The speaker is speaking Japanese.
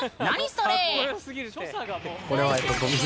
それ。